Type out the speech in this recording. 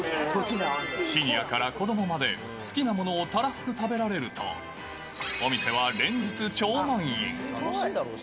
シニアから子どもまで、好きなものをたらふく食べられると、お店は連日、超満員。